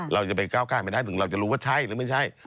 เราจะไปก้าวไกลไม่ได้ถึงเราจะรู้ว่าใช่หรือไม่ใช่